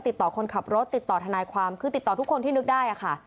ติดต่อคนขับรถติดต่อทนายความคือติดต่อทุกคนที่นึกได้ค่ะ